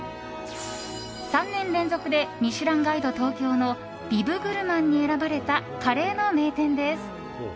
３年連続で「ミシュランガイド東京」のビブグルマンに選ばれたカレーの名店です。